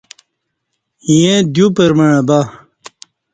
ییں دیو پرمع بہ